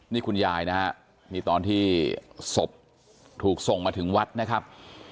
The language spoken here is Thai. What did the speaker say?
นี่คุณยายเนี่ยไม่ตอนที่ทิศพรุ่งส่งมาถึงวัดนะครับ